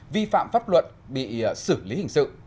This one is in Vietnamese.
vi phạm pháp luận bị xử lý hình sự